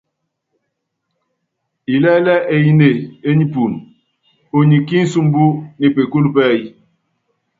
Ilɛ́lɛ́ eyíné e nipun, unyɛ ki nsumbú ne pekul pɛɛy.